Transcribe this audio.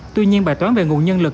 tuy nhiên bài toán về nguồn nhân lực